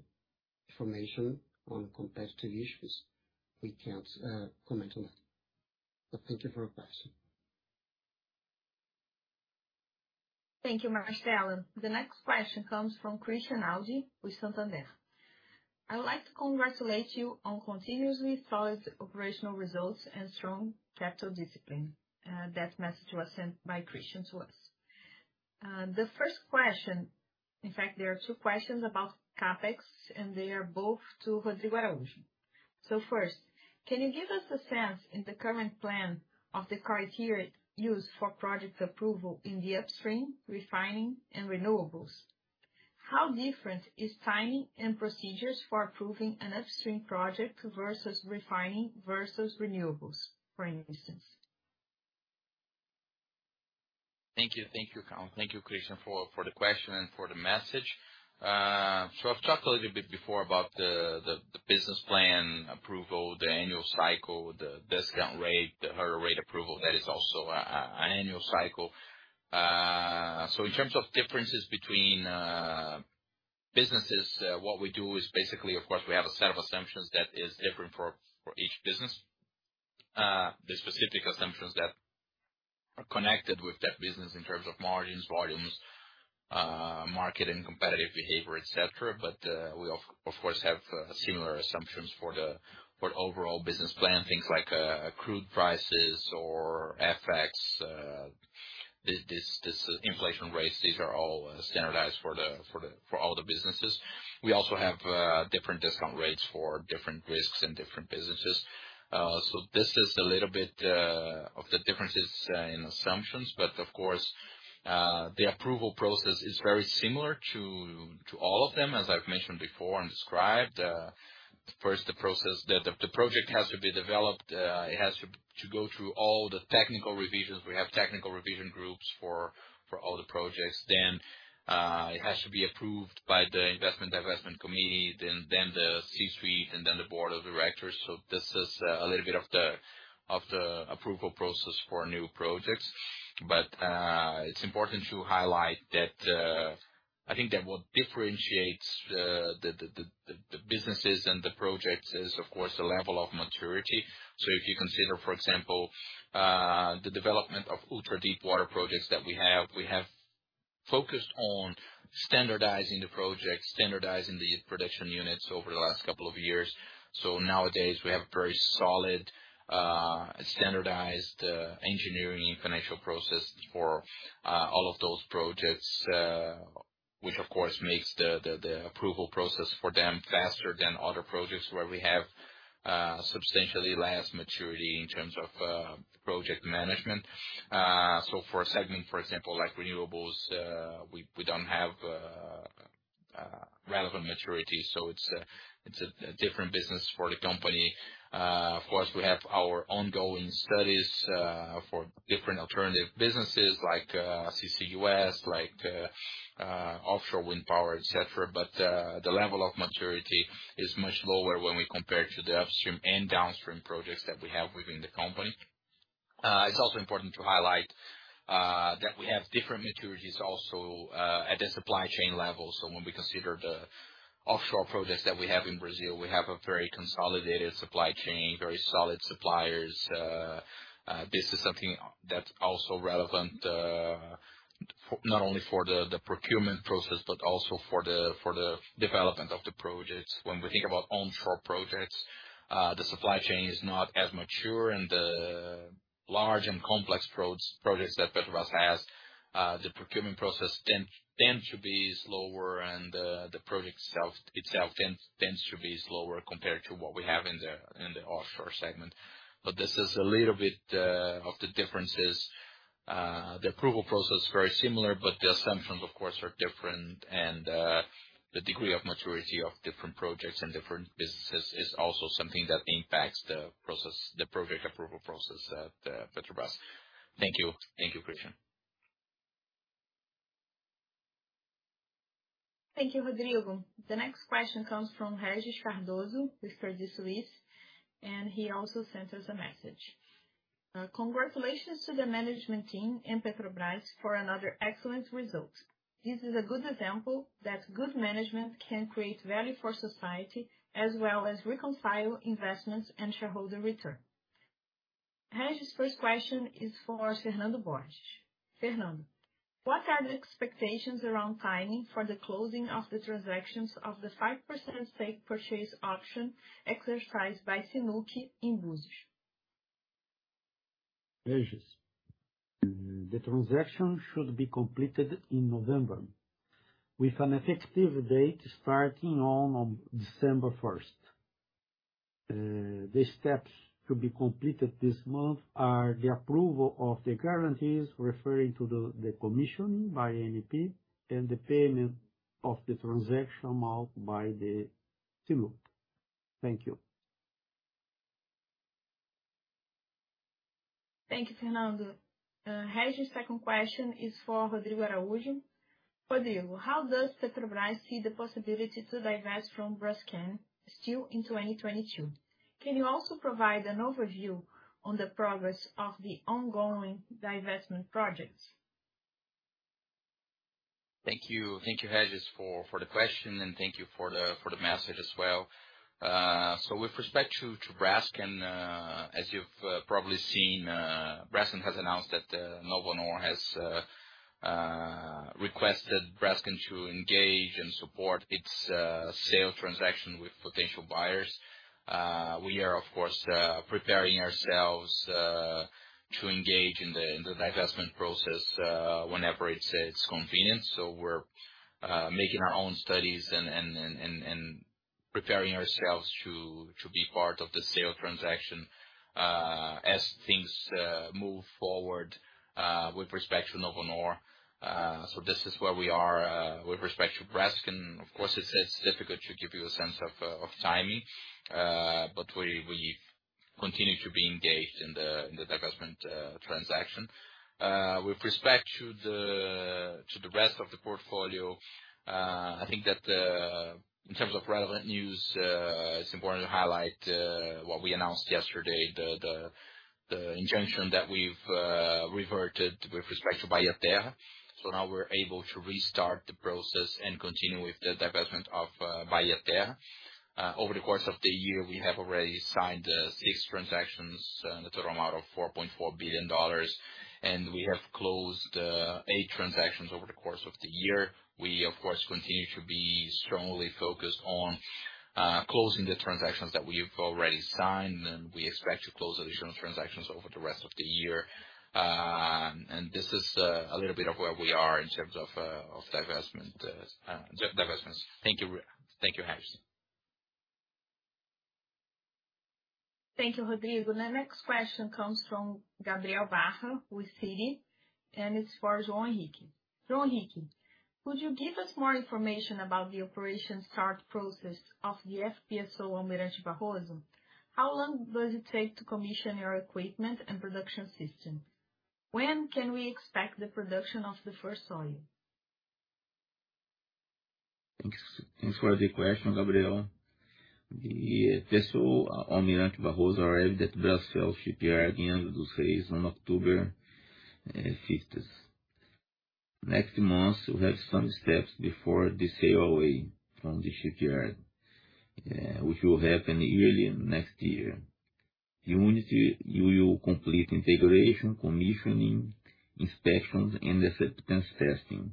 information on competitive issues. We can't comment on that. Thank you for your question. Thank you, Mastella. The next question comes from Christian Audi with Santander. I would like to congratulate you on continuously solid operational results and strong capital discipline. That message was sent by Christian to us. The first question. In fact, there are two questions about CapEx, and they are both to Rodrigo Araujo. First, can you give us a sense in the current plan of the criteria used for project approval in the upstream refining and renewables? How different is timing and procedures for approving an upstream project versus refining versus renewables, for instance? Thank you, Christian, for the question and for the message. I've talked a little bit before about the business plan approval, the annual cycle, the discount rate, the higher rate approval that is also an annual cycle. In terms of differences between businesses, what we do is basically, of course, we have a set of assumptions that is different for each business. The specific assumptions that are connected with that business in terms of margins, volumes, market and competitive behavior, et cetera. We of course have similar assumptions for the overall business plan. Things like crude prices or FX, this inflation rates, these are all standardized for all the businesses. We also have different discount rates for different risks and different businesses. This is a little bit of the differences in assumptions, but of course, the approval process is very similar to all of them, as I've mentioned before and described. First the process the project has to be developed, it has to go through all the technical revisions. We have technical revision groups for all the projects. It has to be approved by the Investment Divestment Committee, then the C-suite, and then the board of directors. This is a little bit of the approval process for new projects. It's important to highlight that I think that what differentiates the businesses and the projects is, of course, the level of maturity. If you consider, for example, the development of ultra-deepwater projects that we have, we have focused on standardizing the projects, standardizing the production units over the last couple of years. Nowadays we have very solid, standardized, engineering and financial process for all of those projects, which of course makes the approval process for them faster than other projects where we have substantially less maturity in terms of project management. For a segment, for example, like renewables, we don't have relevant maturity, so it's a different business for the company. Of course, we have our ongoing studies for different alternative businesses like CCUS, like offshore wind power, et cetera. The level of maturity is much lower when we compare to the upstream and downstream projects that we have within the company. It's also important to highlight that we have different maturities also at the supply chain level. When we consider the offshore projects that we have in Brazil, we have a very consolidated supply chain, very solid suppliers. This is something that's also relevant for not only the procurement process but also the development of the projects. When we think about onshore projects, the supply chain is not as mature, and the large and complex projects that Petrobras has, the procurement process tend to be slower and the project itself tends to be slower compared to what we have in the offshore segment. This is a little bit of the differences. The approval process is very similar, but the assumptions of course are different and the degree of maturity of different projects and different businesses is also something that impacts the process, the project approval process at Petrobras. Thank you. Thank you, Christian. Thank you, Rodrigo. The next question comes from Regis Cardoso with Credit Suisse, and he also sent us a message. Congratulations to the management team and Petrobras for another excellent result. This is a good example that good management can create value for society, as well as reconcile investments and shareholder return. Regis' first question is for Fernando Borges. Fernando, what are the expectations around timing for the closing of the transactions of the 5% stake purchase option exercised by CNOOC in Búzios? Regis, the transaction should be completed in November with an effective date starting on December first. The steps to be completed this month are the approval of the guarantees referring to the concession by ANP and the payment of the transaction amount by the CNOOC. Thank you. Thank you, Fernando. Regis' second question is for Rodrigo Araujo. Rodrigo, how does Petrobras see the possibility to divest from Braskem still in 2022? Can you also provide an overview on the progress of the ongoing divestment projects? Thank you. Thank you, Regis, for the question and thank you for the message as well. With respect to Braskem, as you've probably seen, Braskem has announced that Novonor has requested Braskem to engage and support its sale transaction with potential buyers. We are of course preparing ourselves to engage in the divestment process whenever it's convenient. We're making our own studies and preparing ourselves to be part of the sale transaction as things move forward with respect to Novonor. This is where we are with respect to Braskem. Of course, it's difficult to give you a sense of timing, but we continue to be engaged in the divestment transaction. With respect to the rest of the portfolio, I think that in terms of relevant news, it's important to highlight what we announced yesterday, the injunction that we've reverted with respect to Gaspetro. So now we're able to restart the process and continue with the divestment of Gaspetro. Over the course of the year, we have already signed six transactions in a total amount of $4.4 billion, and we have closed eight transactions over the course of the year. We of course continue to be strongly focused on closing the transactions that we've already signed, and we expect to close additional transactions over the rest of the year. This is a little bit of where we are in terms of divestments. Thank you. Thank you, Regis. Thank you, Rodrigo. The next question comes from Gabriel Barra with Citi, and it's for João Henrique. João Henrique, could you give us more information about the operation start process of the FPSO Almirante Barroso? How long does it take to commission your equipment and production system? When can we expect the production of the first oil? Thanks for the question, Gabriel. The FPSO Almirante Barroso arrived at Brazil Shipyard end of the series on October fifth. Next month, we have some steps before the sail away from the shipyard, which will happen early next year. The unit will complete integration, commissioning, inspections, and acceptance testing.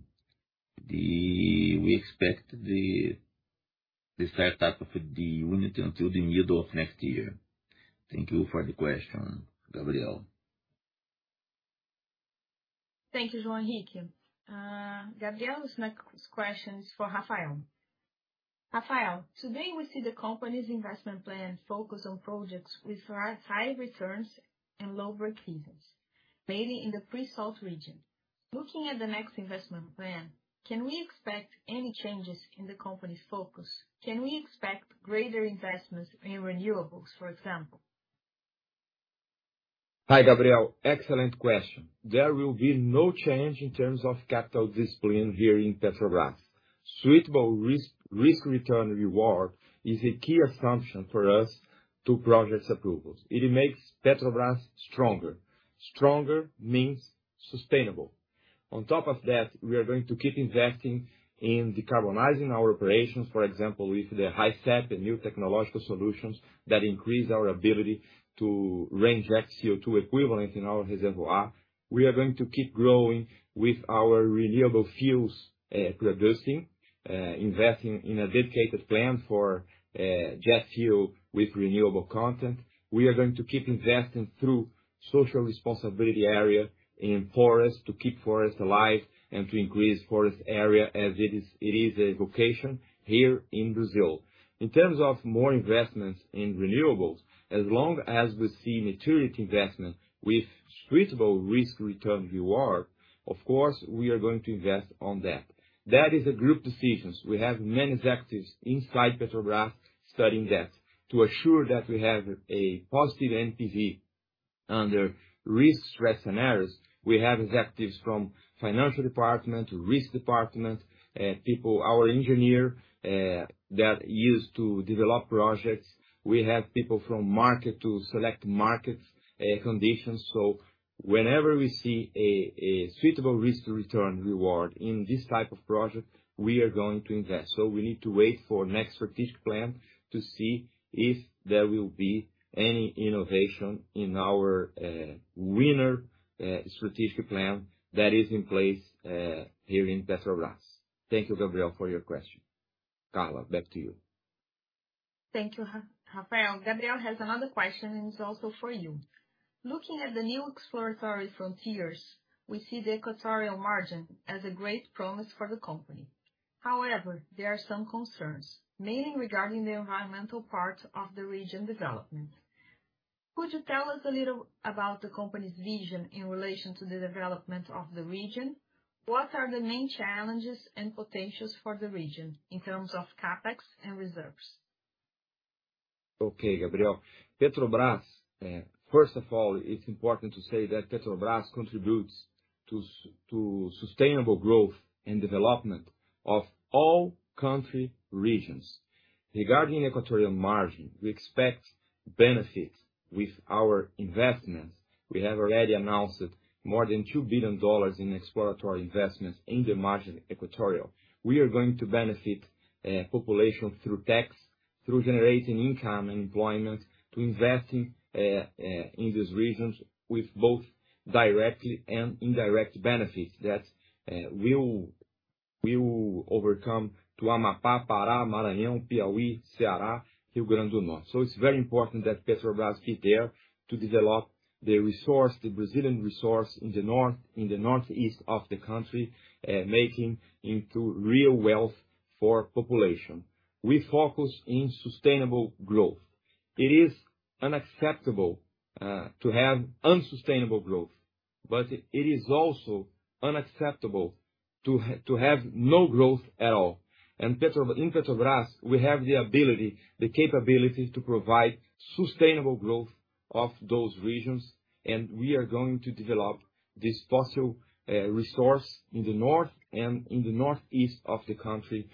We expect the startup of the unit until the middle of next year. Thank you for the question, Gabriel. Thank you, João Henrique. Gabriel, this next question is for Rafael. Rafael, today we see the company's investment plan focused on projects with high returns and low breakevens, mainly in the pre-salt region. Looking at the next investment plan, can we expect any changes in the company's focus? Can we expect greater investments in renewables, for example? Hi, Gabriel. Excellent question. There will be no change in terms of capital discipline here in Petrobras. Suitable risk-return reward is a key assumption for us to projects approvals. It makes Petrobras stronger. Stronger means sustainable. On top of that, we are going to keep investing in decarbonizing our operations, for example, with the HiseP and new technological solutions that increase our ability to range CO2 equivalent in our reservoir. We are going to keep growing with our renewable fuels, producing, investing in a dedicated plan for jet fuel with renewable content. We are going to keep investing through social responsibility area in forests to keep forests alive and to increase forest area as it is a vocation here in Brazil. In terms of more investments in renewables, as long as we see mature investment with suitable risk return reward, of course we are going to invest on that. That is a group decisions. We have many executives inside Petrobras studying that to assure that we have a positive NPV under risk stress scenarios. We have executives from financial department, risk department, people, our engineer, that used to develop projects. We have people from marketing to select markets, conditions. Whenever we see a suitable risk return reward in this type of project, we are going to invest. We need to wait for next strategic plan to see if there will be any innovation in our current strategic plan that is in place, here in Petrobras. Thank you, Gabriel, for your question. Carla, back to you. Thank you, Rafael. Gabriel has another question, and it's also for you. Looking at the new exploratory frontiers, we see the equatorial margin as a great promise for the company. However, there are some concerns, mainly regarding the environmental part of the region development. Could you tell us a little about the company's vision in relation to the development of the region? What are the main challenges and potentials for the region in terms of CapEx and reserves? Okay, Gabriel. Petrobras, first of all, it's important to say that Petrobras contributes to sustainable growth and development of all country regions. Regarding Equatorial Margin, we expect benefits with our investments. We have already announced more than $2 billion in exploratory investments in the Equatorial Margin. We are going to benefit population through tax, through generating income, employment, to investing in these regions with both directly and indirect benefits that will extend to Amapá, Pará, Maranhão, Piauí, Ceará, Rio Grande do Norte. It's very important that Petrobras be there to develop the resource, the Brazilian resource in the north, in the northeast of the country, making into real wealth for population. We focus in sustainable growth. It is unacceptable to have unsustainable growth, but it is also unacceptable to have no growth at all. In Petrobras, we have the ability, the capability to provide sustainable growth. Of those regions, we are going to develop this fossil resource in the north and in the northeast of the country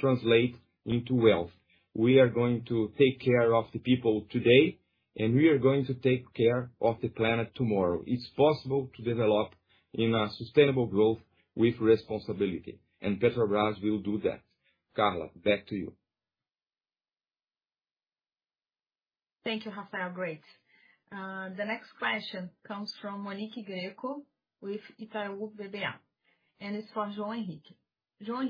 translate into wealth. We are going to take care of the people today, and we are going to take care of the planet tomorrow. It's possible to develop in a sustainable growth with responsibility, and Petrobras will do that. Carla, back to you. Thank you, Rafael. Great. The next question comes from Monique Greco with Itaú BBA, and it's for João Henrique. João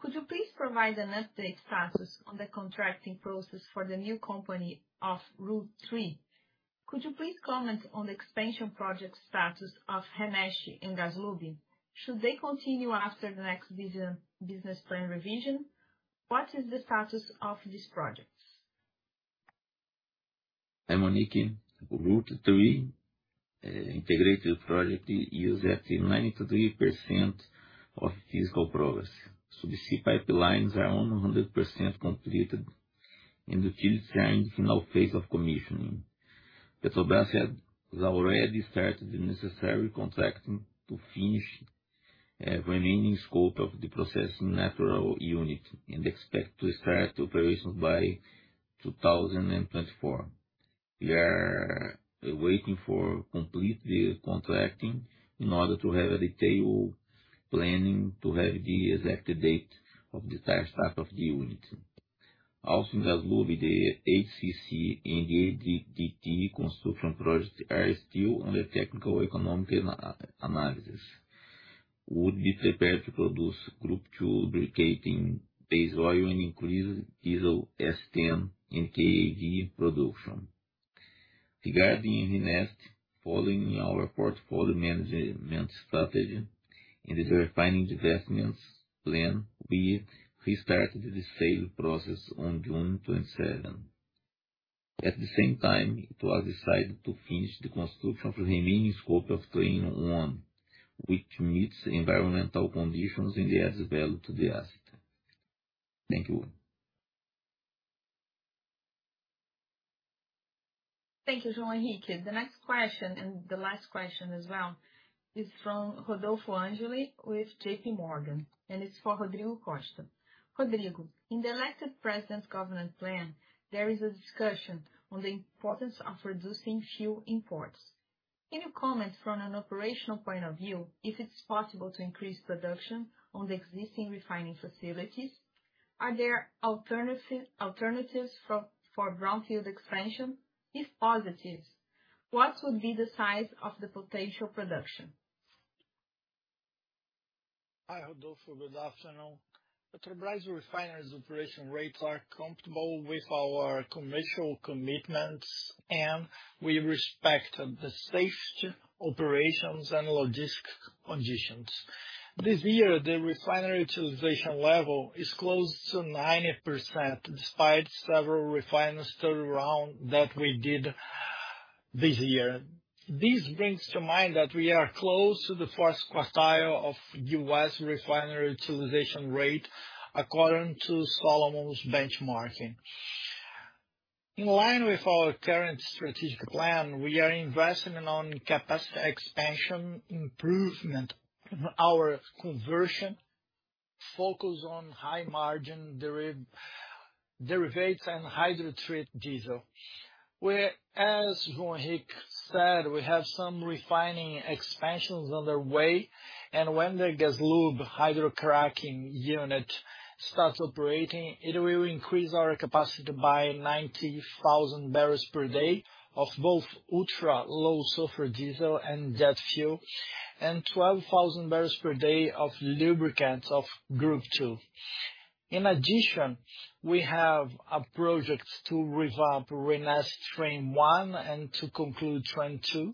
Henrique, could you please provide an update status on the contracting process for the new company of Rota 3? Could you please comment on the expansion project status of RNEST and GasLub? Should they continue after the next business plan revision? What is the status of these projects? Hi, Monique. Rota 3 integrated project is at 93% physical progress. Subsea pipelines are 100% completed, and the utility is in final phase of commissioning. Petrobras has already started the necessary contracting to finish remaining scope of the processing natural unit and expect to start operations by 2024. We are waiting for complete contracting in order to have a detailed planning to have the exact date of the start-up of the unit. Also in GasLub, the HCC and HDT construction projects are still under technical economic analysis, would prepare to produce Group II lubricating base oil and increase diesel S10 and QAV production. Regarding RNEST, following our portfolio management strategy and the refining investments plan, we restarted the sale process on June 27. At the same time, it was decided to finish the construction for remaining scope of train one, which meets environmental conditions and adds value to the asset. Thank you. Thank you, João Henrique. The next question, and the last question as well, is from Rodolfo de Angele with JPMorgan, and it's for Rodrigo Costa Lima e Silva. Rodrigo, in the elected president's governance plan, there is a discussion on the importance of reducing fuel imports. Can you comment from an operational point of view if it's possible to increase production on the existing refining facilities? Are there alternatives for brownfield expansion? If positive, what would be the size of the potential production? Hi, Rodolfo. Good afternoon. Petrobras refinery operation rates are comfortable with our commercial commitments, and we respect the safety operations and logistic conditions. This year, the refinery utilization level is close to 90%, despite several refinery turnaround that we did this year. This brings to mind that we are close to the first quartile of U.S. refinery utilization rate, according to Solomon Associates' benchmarking. In line with our current strategic plan, we are investing on capacity expansion, improvement our conversion, focus on high margin derivatives and hydrotreated diesel. As João Henrique said, we have some refining expansions on their way, and when the GasLub hydrocracking unit starts operating, it will increase our capacity by 90,000 barrels per day of both ultra-low sulfur diesel and jet fuel and 12,000 barrels per day of lubricants of Group II. In addition, we have a project to revamp RNEST train one and to conclude train two,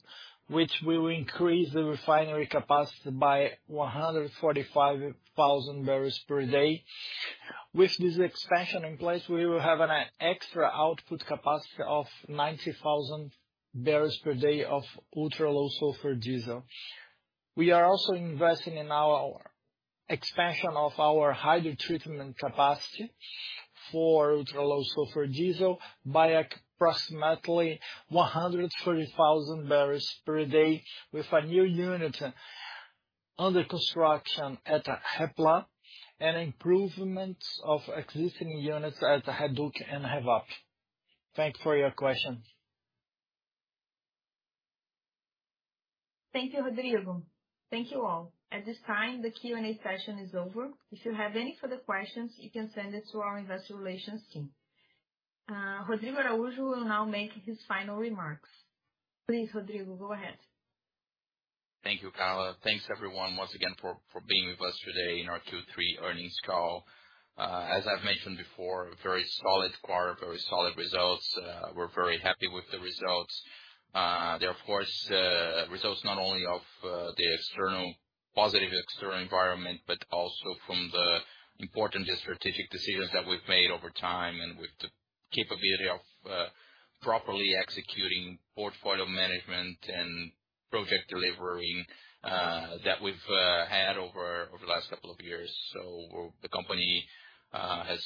which will increase the refinery capacity by 145,000 barrels per day. With this expansion in place, we will have an extra output capacity of 90,000 barrels per day of ultra-low sulfur diesel. We are also investing in our expansion of our hydrotreatment capacity for ultra-low sulfur diesel by approximately 130,000 barrels per day with a new unit under construction at REPLAN and improvements of existing units at REDUC and REVAP. Thank you for your question. Thank you, Rodrigo. Thank you, all. At this time, the Q&A session is over. If you have any further questions, you can send it to our investor relations team. Rodrigo Araujo will now make his final remarks. Please, Rodrigo, go ahead. Thank you, Carla. Thanks everyone once again for being with us today in our Q3 earnings call. As I've mentioned before, very solid quarter, very solid results. We're very happy with the results. They're of course results not only of the external, positive external environment, but also from the important and strategic decisions that we've made over time and with the capability of properly executing portfolio management and project delivery that we've had over the last couple of years. The company has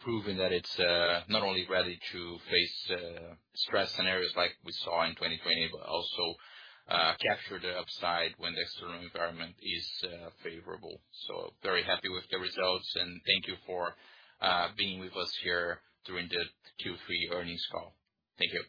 proven that it's not only ready to face stress scenarios like we saw in 2020, but also capture the upside when the external environment is favorable. Very happy with the results, and thank you for being with us here during the Q3 earnings call. Thank you.